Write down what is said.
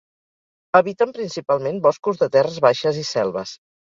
Habiten principalment boscos de terres baixes i selves.